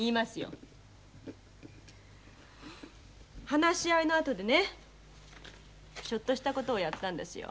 話し合いのあとでねちょっとした事をやったんですよ。